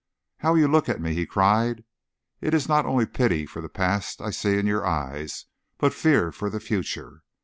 "How you look at me!" he cried. "It is not only pity for the past I see in your eyes, but fear for the future.